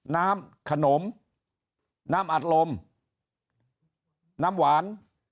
น้ำขนมน้ำอัดลมน้ำหวาน